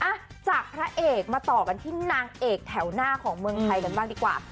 อ่ะจากพระเอกมาต่อกันที่นางเอกแถวหน้าของเมืองไทยกันบ้างดีกว่า